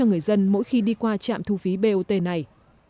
cho người dân mỗi khi đi qua trạm thu phí bot này